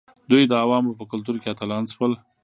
دوی د عوامو په کلتور کې اتلان شول.